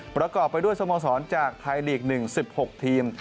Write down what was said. ประกอบไปด้วยสโมสรจากไทยลีก๑๑๖ทีม